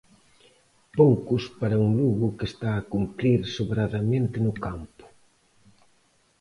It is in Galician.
Poucos para un Lugo que está a cumprir sobradamente no campo.